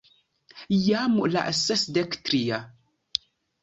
Jam la sesdek tria...